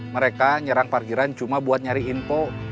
mereka nyerang parkiran cuma buat nyari info